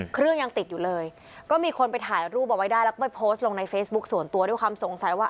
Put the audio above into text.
เครื่องยังติดอยู่เลยก็มีคนไปถ่ายรูปเอาไว้ได้แล้วก็ไปโพสต์ลงในเฟซบุ๊คส่วนตัวด้วยความสงสัยว่า